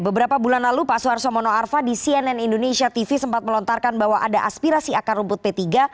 beberapa bulan lalu pak suharto mono arfa di cnn indonesia tv sempat melontarkan bahwa ada aspirasi akar rumput p tiga